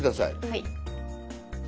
はい。